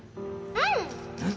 うん！